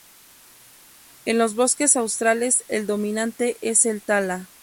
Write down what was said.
En los bosques australes el dominante es el tala.